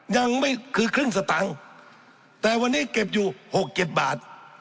ยังไม่คือครึ่งสตังค์แต่วันนี้เก็บอยู่หกเจ็ดบาท